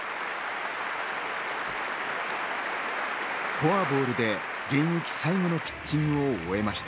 フォアボールで現役最後のピッチングを終えました。